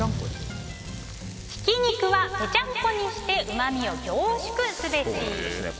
ひき肉はぺちゃんこにしてうまみを凝縮すべし。